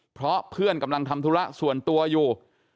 เพราะเพื่อนกำลังทำธุระส่วนตัวอยู่